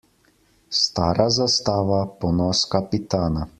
Stara zastava – ponos kapitana.